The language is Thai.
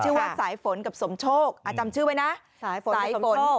ชื่อว่าสายฝนกับสมโชคอ่ะจำชื่อไว้นะสายฝนกับสมโชค